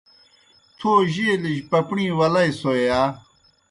تھو جیلِجیْ پپݨی ولئےسوئے یا؟